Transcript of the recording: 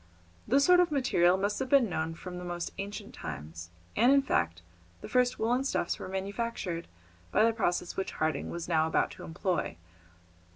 This sort of material must have been known from the most ancient times, and, in fact, the first woollen stuffs were manufactured by the process which Harding was now about to employ.